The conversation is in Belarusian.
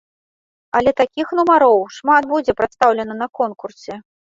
Але такіх нумароў шмат будзе прадстаўлена на конкурсе.